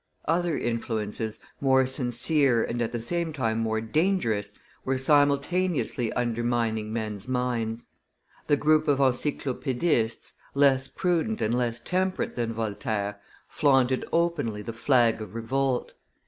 Other influences, more sincere and at the same time more dangerous, were simultaneously undermining men's minds. The group of Encyclopaedists, less prudent and less temperate than Voltaire, flaunted openly the flag of revolt.